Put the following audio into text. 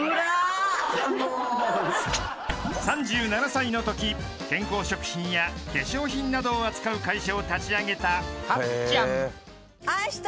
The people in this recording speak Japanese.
［３７歳のとき健康食品や化粧品などを扱う会社を立ち上げたはっちゃん］